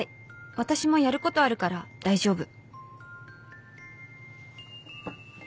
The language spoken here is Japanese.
私もやることあるから大丈夫！」